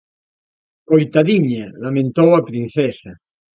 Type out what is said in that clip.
Coitadiña! –lamentou a princesa–.